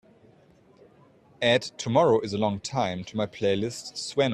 Add Tomorrow Is a Long Time to my playlist Sueños